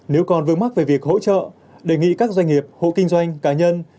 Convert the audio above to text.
nếu còn vướng mắt về việc hỗ trợ đề nghị các doanh nghiệp hộ kinh doanh cá nhân